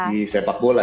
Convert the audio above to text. di sepak bola